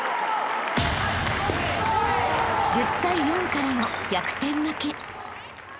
［１０対４からの逆転負け］